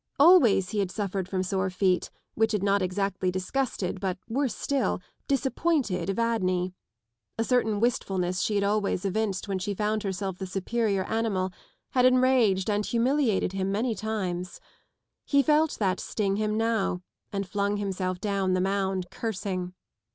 Always he had suffered from sore feet, which had not exactly disgusted but, worse still, disappointed Evadne. A certain wistfulness she had always evinced when she found herself the superior animal had enraged and himiliated him many times. He felt that sting him now, and flung himself down the mound cursing.